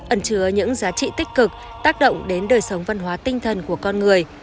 ẩn chứa những giá trị tích cực tác động đến đời sống văn hóa tinh thần của con người